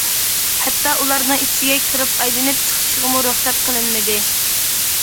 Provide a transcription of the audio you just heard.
ھەتتا، ئۇلارنىڭ ئىچىگە كىرىپ ئايلىنىپ چىقىشىغىمۇ رۇخسەت قىلىنمىدى.